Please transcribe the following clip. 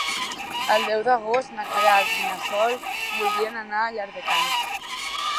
El deu d'agost na Queralt i na Sol voldrien anar a Llardecans.